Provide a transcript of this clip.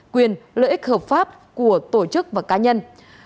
quyền lợi ích hợp pháp của tổ chức và cá nhân